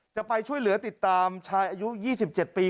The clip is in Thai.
จะไปช่วยเหลือติดตามชายอายุ๒๗ปี